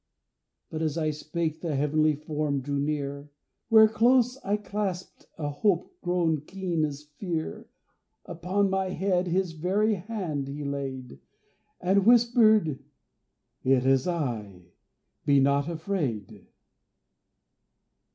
But as I spake, the heavenly form drew near Where close I clasped a hope grown keen as fear, Upon my head His very hand He laid And whispered, "It is I, be not afraid!"